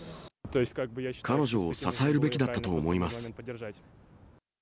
彼女を支えるべきだったと思います。